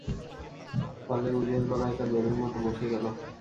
ফলে উজের গলায় তা বেড়ীর মত বসে গেল।